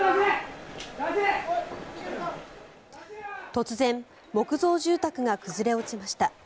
突然木造住宅が崩れ落ちました。